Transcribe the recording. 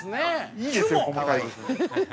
◆いいですよ、細かい部分。